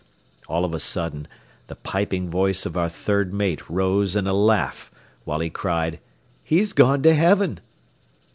All of a sudden the piping voice of our third mate rose in a laugh, while he cried, "He's gone to heaven."